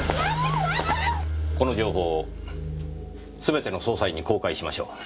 この情報をすべての捜査員に公開しましょう。